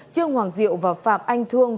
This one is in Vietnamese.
trương hoàng diệu và phạm anh thương